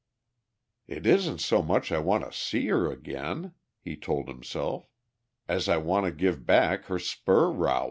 "It isn't so much I want to see her again," he told himself, "as I want to give back her spur rowel!"